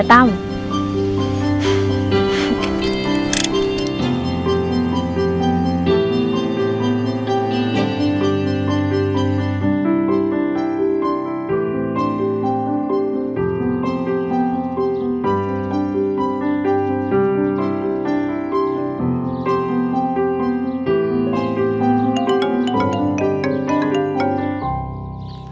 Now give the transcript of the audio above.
ฮัลโหลครับมาม้า